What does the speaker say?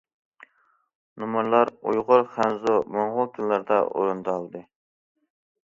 نومۇرلار ئۇيغۇر، خەنزۇ، موڭغۇل تىللىرىدا ئورۇندالدى.